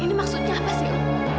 ini maksudnya apa sih